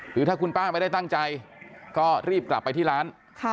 คือถ้าคุณป้าไม่ได้ตั้งใจก็รีบกลับไปที่ร้าน